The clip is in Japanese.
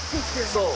そう。